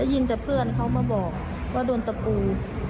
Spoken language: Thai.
ยิงแต่เพื่อนเขามาบอกว่าโดนตะปู